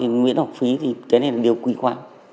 nguyễn học phí thì cái này là điều quý khoản